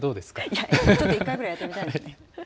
いや、ちょっと１回ぐらいやってみたいですね。